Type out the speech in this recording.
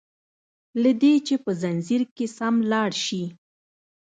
له دي چي په ځنځير کي سم لاړ شي